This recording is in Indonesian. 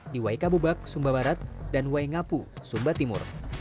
di waikabubak dan waingapu